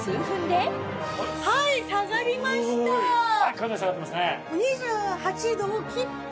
かなり下がってますね。